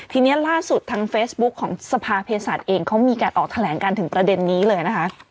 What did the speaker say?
ทีนี้ล่าสุดทางเฟซบุ๊คของสภาเพศศาสตร์เองเขามีการออกแถลงการถึงประเด็นนี้เลยนะคะ